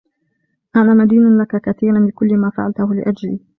أنا مدين لك كثيرًا لكل ما فعلته لأجلي.